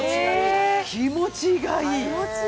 気持ちがいい。